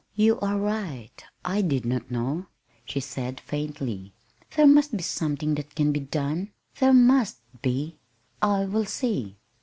"You are right I did not know," she said faintly. "There must be something that can be done. There must be. I will see."